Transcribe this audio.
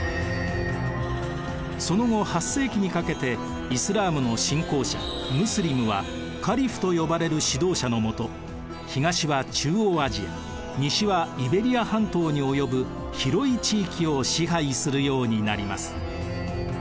その後８世紀にかけてイスラームの信仰者ムスリムはカリフと呼ばれる指導者の下東は中央アジア西はイベリア半島に及ぶ広い地域を支配するようになります。